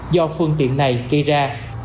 do phương tiện này kỳ ra